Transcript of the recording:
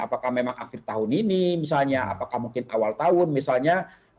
apakah memang akhir tahun ini misalnya apakah mungkin awal tahun misalnya